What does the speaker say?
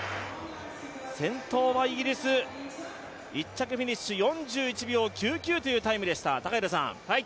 先頭はイギリス、１着フィニッシュ、４１秒９９というタイムでした。